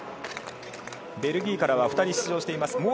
ベルギーからは２人出場しています。